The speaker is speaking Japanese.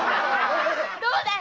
どうだい！